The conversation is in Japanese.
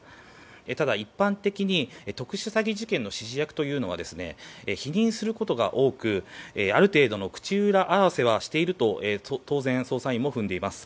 ただ、一般的に特殊詐欺事件の指示役というのは否認することが多くある程度の口裏合わせはしていると当然捜査員も踏んでいます。